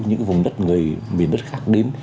những cái vùng đất người miền đất khác đến